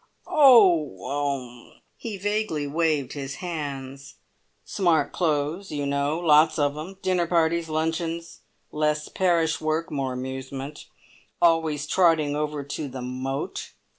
"Oh oh " he vaguely waved his hands. "Smart clothes, you know. Lots of 'em. Dinner parties. Luncheons. Less parish work, and more amusement. Always trotting over to the `Moat'."